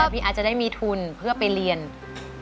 พี่อาร์สจะได้มีทุนเพื่อไปเรียนเป็นช่าง